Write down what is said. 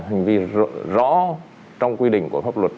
hành vi rõ trong quy định của pháp luật